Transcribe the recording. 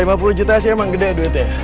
lima puluh juta sih emang gede duitnya